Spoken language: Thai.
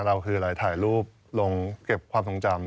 เราคืออะไรถ่ายรูปลงเก็บความทรงจำ